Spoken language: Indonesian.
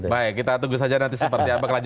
baik kita tunggu saja nanti seperti apa kelanjutan